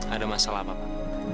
ada masalah apa